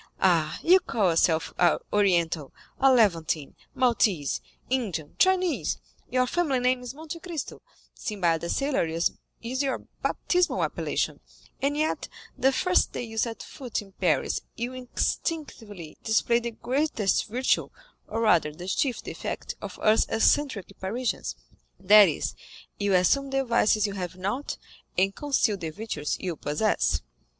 Ah, you call yourself Oriental, a Levantine, Maltese, Indian, Chinese; your family name is Monte Cristo; Sinbad the Sailor is your baptismal appellation, and yet the first day you set foot in Paris you instinctively display the greatest virtue, or rather the chief defect, of us eccentric Parisians,—that is, you assume the vices you have not, and conceal the virtues you possess."